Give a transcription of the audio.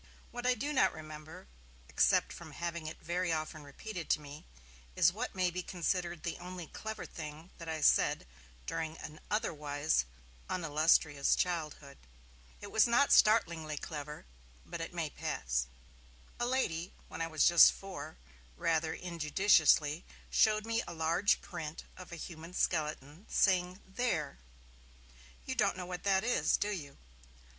What I do not remember, except from having it very often repeated to me, is what may be considered the only 'clever' thing that I said during an otherwise unillustrious childhood. It was not startlingly 'clever', but it may pass. A lady when I was just four rather injudiciously showed me a large print of a human skeleton, saying, 'There! you don't know what that is, do you?'